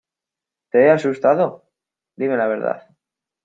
¿ Te he asustado? Dime la verdad.